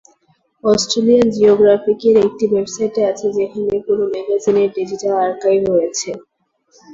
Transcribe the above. Australian জিওগ্রাফিকের একটি website আছে যেখানে পুরো ম্যাগাজিনের ডিজিটাল আর্কাইভ রয়েছে।